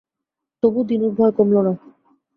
তবু দিনুর ভয় কমল না।